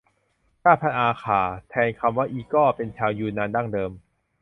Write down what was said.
ชาติพันธุ์อาข่า แทนคำว่าอีก้อ เป็นชาวยูนนานดั้งเดิม